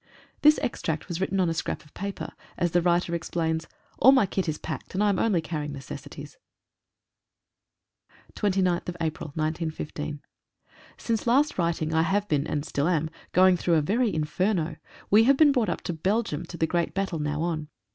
(This extract was written on a scrap of paper, as the writer explains — "All my kit is packed, and I am orly carrying necessities.") a 29/4/15 INCE last writing I have been, and still am, going through a very inferno. We have been brought up to Belgium to the great battle now on.